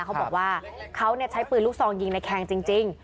เขาบอกว่าเขาใช้ปืนลูกซองยิงในแคงจริง